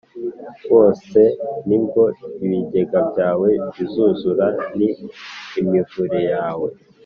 Wose Ni Bwo Ibigega Byawe Bizuzura ni Imivure Yawe